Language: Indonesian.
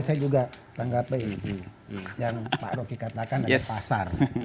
saya juga tanggapi yang paroki katakan ada pasar